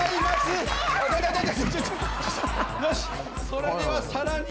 それではさらに。